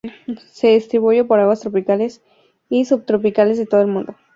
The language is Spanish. Se distribuye por aguas tropicales y subtropicales de todo el mundo.